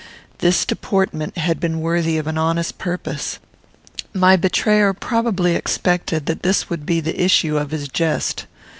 This deportment had been worthy of an honest purpose. My betrayer probably expected that this would be the issue of his jest.